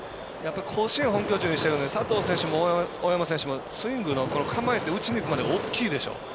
甲子園を本拠地にしてるので佐藤選手も大山選手もスイングの構えから打ちにいくまで大きいでしょう。